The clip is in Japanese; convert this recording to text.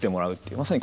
まさに。